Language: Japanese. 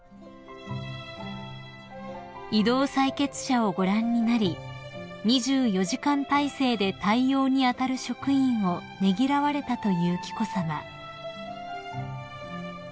［移動採血車をご覧になり２４時間体制で対応に当たる職員をねぎらわれたという紀子さま］